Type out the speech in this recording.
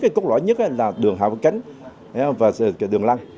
cái quan trọng nhất là đường hạ văn cánh và đường lăng